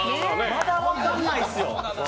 まだ分からないっすよ！